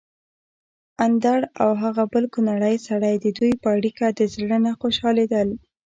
اندړ او هغه بل کونړی سړی ددوی په اړېکه د زړه نه خوشحاليدل